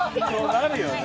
なるよね。